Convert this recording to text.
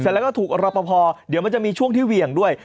แล้วก็ถูกรอปภเดี๋ยวมันจะมีช่วงที่เหวี่ยงด้วย